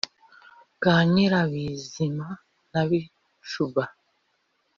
bwa nyirabizima na bicuba.